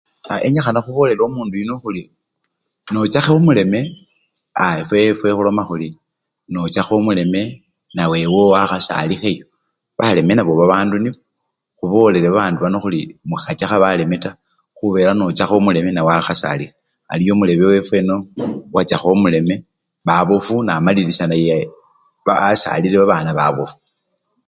A! yenyikhana khubolele omundu yuno khuri nochakha omuleme a! efwefwe khuloma khuri! khuri nochakha omuleme nawe ewowo akhasalikheyo, baleme nabo babandu nibo, khubolele babandu bano khuri mukhachakha bandu baleme taa, khubela nochakha omuleme nawe ewowo akhasalikhe.